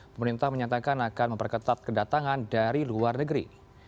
pemerintah menyatakan akan memperketat kedatangan dari luar negeri